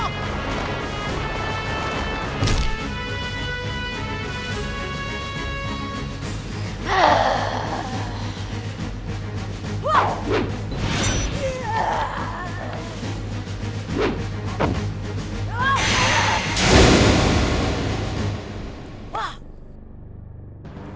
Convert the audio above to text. kau akan menang